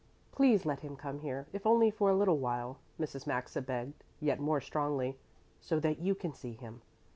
"Please let him come here, if only for a little while," Mrs. Maxa begged, yet more strongly, "so that you can see him.